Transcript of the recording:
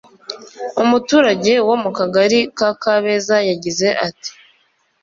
umuturage wo mu Kagali ka Kabeza yagize ati